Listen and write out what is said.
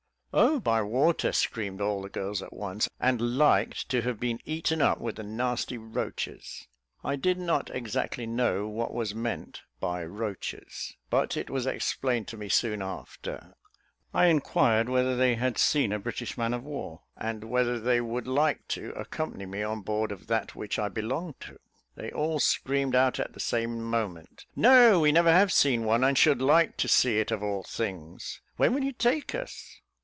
"Oh, by water," screamed all the girls at once, "and liked to have been eaten up with the nasty roaches." I did not exactly know what was meant by "roaches," but it was explained to me soon after. I inquired whether they had seen a British man of war, and whether they would like to accompany me on board of that which I belonged to? They all screamed out at same moment "No, we never have seen one, and should like to see it of all things. When will you take us?"